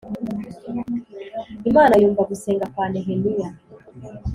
Imana yumva gusenga kwa Nehemiya